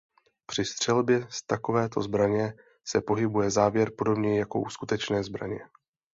Při střelbě z takovéto zbraně se pohybuje závěr podobně jako u skutečné zbraně.